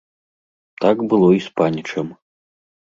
Так было і з панічам.